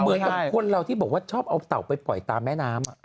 เหมือนกับคนเราที่บอกว่าชอบเอาเต่าไปปล่อยตามแม่น้ำ